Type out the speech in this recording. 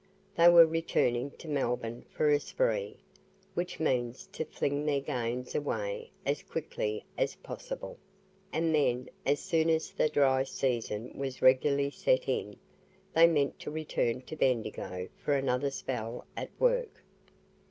They were returning to Melbourne for a spree, (which means to fling their gains away as quickly as possible,) and then as soon as the dry season was regularly set in, they meant to return to Bendigo for another spell at work.